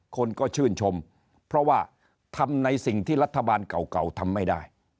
คนก็ชื่นชมเพราะว่าทำในสิ่งที่รัฐบาลเก่าทำไม่ได้